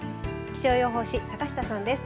気象予報士、坂下さんです。